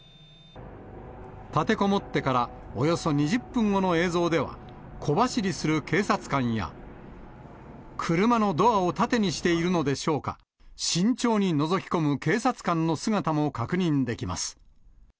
立てこもってからおよそ２０分後の映像では、小走りする警察官や、車のドアを盾にしているのでしょうか、慎重にのぞき込む警察官の姿も確認できます。